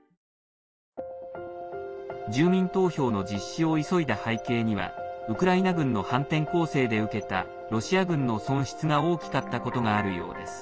住民投票の実施を急いだ背景にはウクライナ軍の反転攻勢で受けたロシア軍の損失が大きかったことがあるようです。